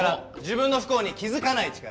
自分の不幸に気づかない力。